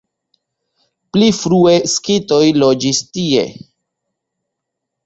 Pli frue skitoj loĝis tie.